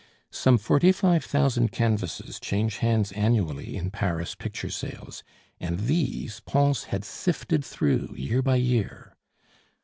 Some forty five thousand canvases change hands annually in Paris picture sales, and these Pons had sifted through year by year.